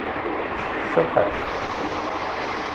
Ceḍḥet!